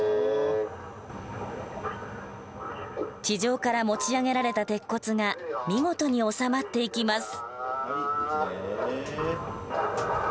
地上から持ち上げられた鉄骨が見事に収まっていきます。